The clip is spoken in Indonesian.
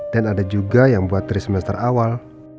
dan ada juga yang buat dari semester awal